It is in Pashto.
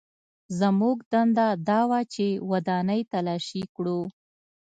زموږ دنده دا وه چې ودانۍ تلاشي کړو